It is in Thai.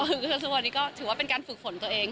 คือทุกวันนี้ก็ถือว่าเป็นการฝึกฝนตัวเอง